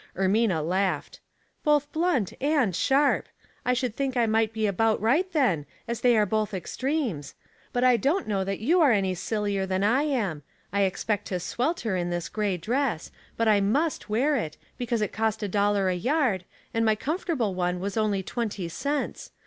Ermina laughed. " Both blunt and sharp. I should think I might be about right then, as they are both extremes. But I don't know that you are any sillier than I am. I expect to swelter in this gray dress ; but I must wear it, because it cost a dollar a yard, and my comfortable one was only twenty cents.